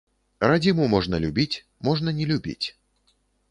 Радзіму можна любіць, можна не любіць.